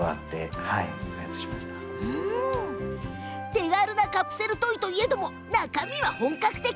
手軽なカプセルトイといえども中身は本格的。